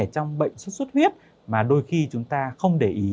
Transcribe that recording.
trong bệnh xuất xuất huyết mà đôi khi chúng ta không để ý